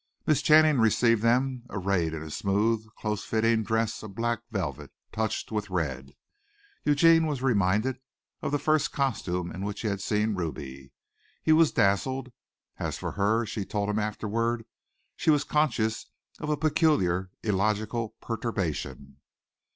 Miss Channing received them, arrayed in a smooth, close fitting dress of black velvet, touched with red. Eugene was reminded of the first costume in which he had seen Ruby. He was dazzled. As for her, as she told him afterward, she was conscious of a peculiar illogical perturbation.